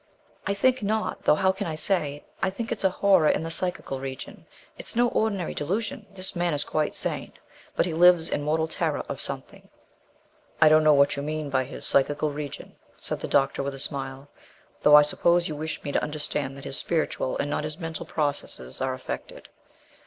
"I think not; though how can I say? I think it's a horror in the psychical region. It's no ordinary delusion; the man is quite sane; but he lives in mortal terror of something " "I don't know what you mean by his 'psychical region,'" said the doctor, with a smile; "though I suppose you wish me to understand that his spiritual, and not his mental, processes are affected.